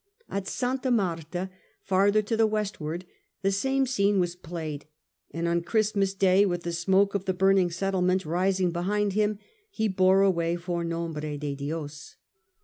At Santa Marta, farther to the westward, the same scene was played ; and on Christmas Day, with the smoke of the burning settlement rising behind him, he bore away for Nombre de Dios.